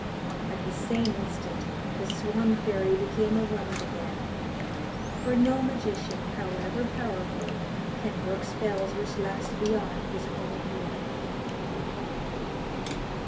At the same instant the Swan fairy became a woman again, for no magician, however powerful, can work spells which last beyond his own life.